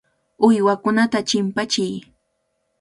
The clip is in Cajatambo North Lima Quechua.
Uywakunata chimpachiy.